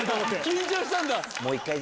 緊張したんだ。